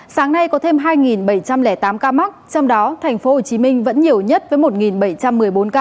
sáng nay có thêm hai bảy trăm linh tám ca mắc trong đó thành phố hồ chí minh vẫn nhiều nhất với một bảy trăm một mươi bốn ca